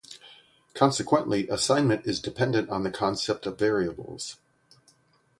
Consequently, assignment is dependent on the concept of variables.